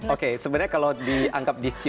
oke sebenarnya kalau dianggap di sion saja